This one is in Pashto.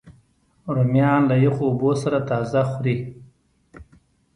رومیان له یخو اوبو سره تازه خوري